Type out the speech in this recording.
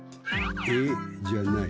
「えっ？」じゃない。